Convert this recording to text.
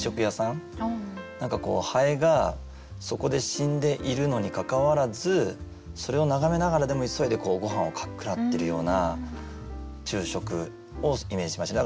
蝿がそこで死んでいるのにかかわらずそれを眺めながらでも急いでご飯をかっくらってるような昼食をイメージしました。